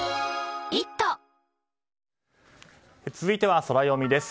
続いてはソラよみです。